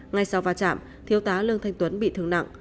ngay sau va chạm thiếu tá lương thanh tuấn bị thương nặng